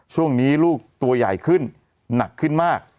ช่วงนี้ลูกตัวใหญ่ขึ้นหนักขึ้นมาก